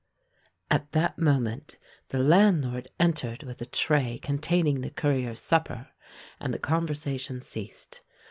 At that moment the landlord entered with a tray containing the courier's supper; and the conversation ceased.